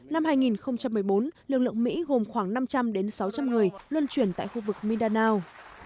năm hai nghìn một mươi bốn lực lượng mỹ gồm khoảng năm trăm linh sáu trăm linh người luân chuyển tại khu vực midanao